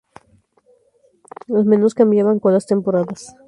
Los menús cambian con las temporadas.